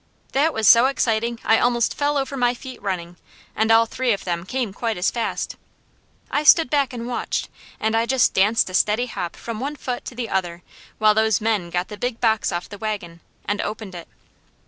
That was so exciting I almost fell over my feet running, and all three of them came quite as fast. I stood back and watched, and I just danced a steady hop from one foot to the other while those men got the big box off the wagon and opened it.